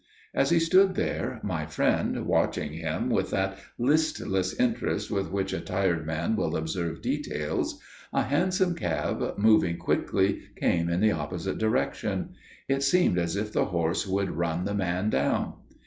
As he stood there, my friend watching him with that listless interest with which a tired man will observe details, a hansom cab moving quickly came in the opposite direction. It seemed as if the horse would run the man down.